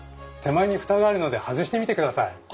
手前に蓋があるので外してみてください。